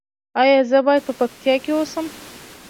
ایا زه باید په پکتیا کې اوسم؟